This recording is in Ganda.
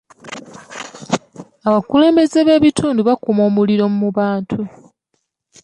Abakulembeze b'ebitundu bakuma omuliro mu bantu.